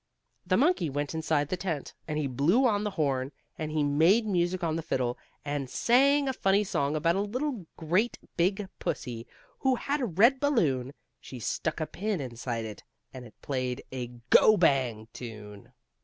The monkey went inside the tent, and he blew on the horn, and he made music on the fiddle, and sang a funny song about a little great big pussy, who had a red balloon. She stuck a pin inside it, and it played a go bang! tune.